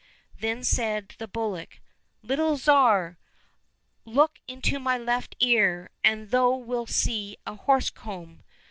— Then said the bullock, " Little Tsar ! look into my left ear and thou wilt see a horse comb.